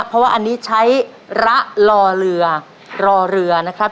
เพราะว่าอันนี้ใช้ระรอเรือรอเรือนะครับ